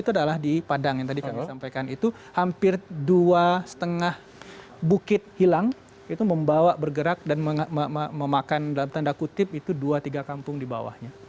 itu adalah di padang yang tadi kami sampaikan itu hampir dua lima bukit hilang itu membawa bergerak dan memakan dalam tanda kutip itu dua tiga kampung di bawahnya